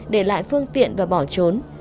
để lại phương tiện và bỏ trốn